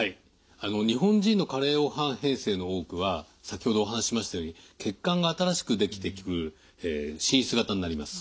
日本人の加齢黄斑変性の多くは先ほどお話ししましたように血管が新しくできてくる滲出型になります。